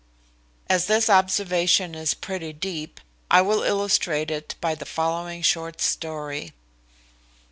As this observation is pretty deep, I will illustrate it by the following short story.